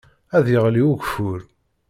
Ad yeɣli ugeffur